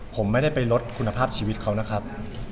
ผมไม่ได้ไปลดคุณภาพชีวิตเขานะครับ